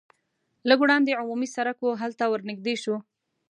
لږ وړاندې عمومي سرک و هلته ور نږدې شوو.